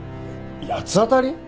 八つ当たり？